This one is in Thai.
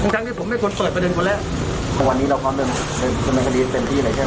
ทั้งที่ผมไม่ควรเปิดประเด็นคนแล้ววันนี้เราความเริ่มคุณแมนคดีเป็นที่อะไร